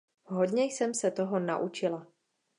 Hodně jsem se toho naučila!